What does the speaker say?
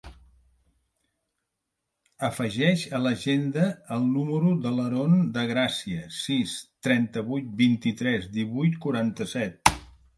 Afegeix a l'agenda el número de l'Aron De Gracia: sis, trenta-vuit, vint-i-tres, divuit, quaranta-set.